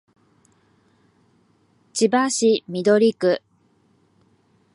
千葉市緑区